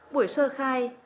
buổi sơ khai